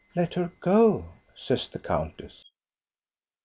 Let her go," says the countess.